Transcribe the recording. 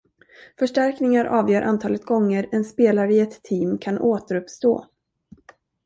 Förstärkningar avgör antalet gånger en spelare i ett team kan återuppstå.